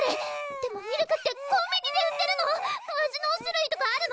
でもミルクってコンビニで売ってるの⁉味の種類とかあるの？